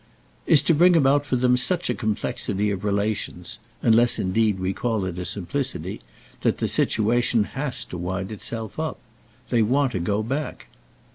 "Is to bring about for them such a complexity of relations—unless indeed we call it a simplicity!—that the situation has to wind itself up. They want to go back."